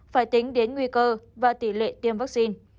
phải tính đến nguy cơ và tỷ lệ tiêm vaccine